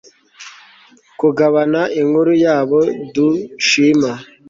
kugabana inkuru y'abo dushima